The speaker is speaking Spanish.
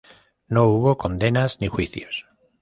No hubo condenas, ni juicios.